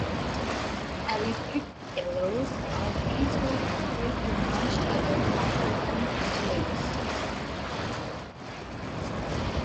Electric yellows are peaceful compared to most other African cichlids.